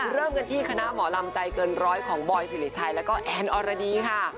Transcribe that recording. เริ่มกันที่คณะหมอลำใจเกินร้อยของบอยสิริชัยแล้วก็แอนอรดีค่ะ